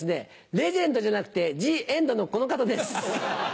レジェンドじゃなくてジ・エンドのこの方です。